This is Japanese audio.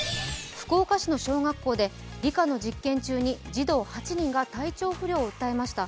福岡市の小学校で理科の実験中に児童８人が体調不良を訴えました。